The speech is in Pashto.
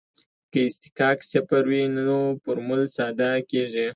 که اصطکاک صفر وي نو فورمول ساده کیږي